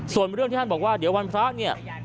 ส่วนเรื่องที่ท่านบอกว่าเดี๋ยววันพระเนี่ย